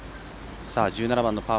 １７番のパー